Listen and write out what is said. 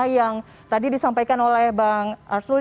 yang tadi disampaikan oleh bang arsul